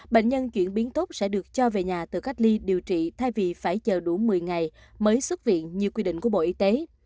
bệnh nhân chuyển biến tốt sẽ được cho về nhà từ cách ly điều trị thay vì phải chờ đủ một mươi ngày mới xuất viện như quy định của bộ y tế